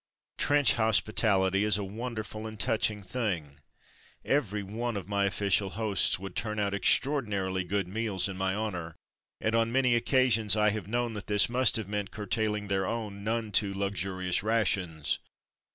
Trench hospitality is a wonderful and touching thing. Every one of my official hosts would turn out ex traordinarily good meals in my honour, and on many occasions I have known that this must have meant curtailing their own none too luxurious rations.